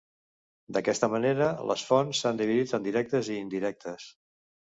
D'aquesta manera, les fonts s'han dividit en directes i indirectes.